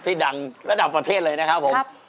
ดังระดับประเทศเลยนะครับผม